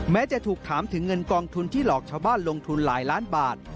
แม้จะถูกถามถึงเงินกองทุนที่หลอกชาวบ้านลงทุนหลายล้านบาท